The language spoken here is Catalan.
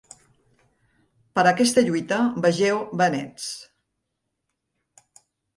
Per aquesta lluita vegeu vènets.